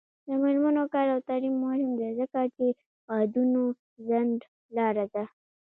د میرمنو کار او تعلیم مهم دی ځکه چې ودونو ځنډ لاره ده.